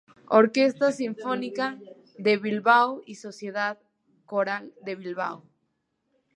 Orquesta Sinfónica de Bilbao y Sociedad Coral de Bilbao.